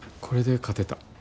これで勝てた。